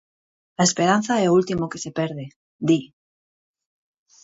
A esperanza é o último que se perde, di.